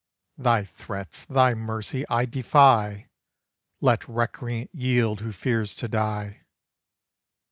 "Thy threats, thy mercy, I defy! Let recreant yield, who fears to die."